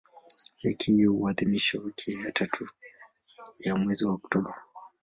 Wiki hiyo huadhimishwa wiki ya tatu ya mwezi Oktoba.